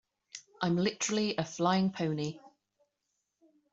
I'm literally a flying pony.